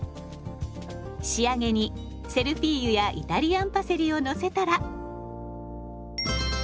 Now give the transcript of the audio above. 仕上げにセルフィーユやイタリアンパセリをのせたら。